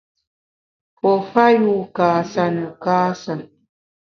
Pue fa yu kâsa ne kâsa.